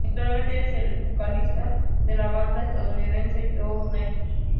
Actualmente es el vocalista de la banda estadounidense Journey.